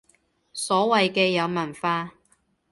所謂嘅有文化